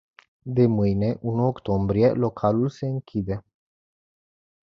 De mâine, unu octombrie, localul se închide.